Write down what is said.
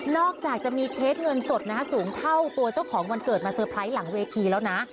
จากจะมีเคสเงินสดนะคะสูงเท่าตัวเจ้าของวันเกิดมาเตอร์ไพรส์หลังเวทีแล้วนะ